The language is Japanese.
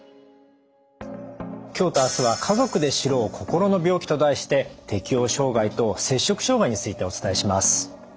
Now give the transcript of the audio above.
今日と明日は「家族で知ろう心の病気」と題して適応障害と摂食障害についてお伝えします。